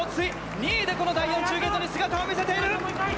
２位でこの第４中継所に姿を見せている。